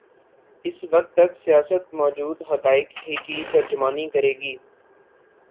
اس وقت تک سیاست موجود حقائق ہی کی ترجمانی کرے گی۔